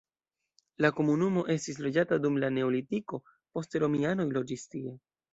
La komunumo estis loĝata dum la neolitiko, poste romianoj loĝis tie.